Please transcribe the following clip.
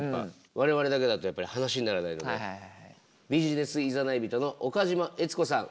我々だけだとやっぱり話にならないのでビジネスいざない人の岡島悦子さん